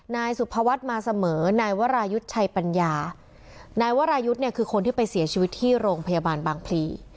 นายสุภวัฒน์มาเสมอนายวรายุทธ์ชัยปัญญานายวรายุทธ์เนี่ยคือคนที่ไปเสียชีวิตที่โรงพยาบาลบางพลี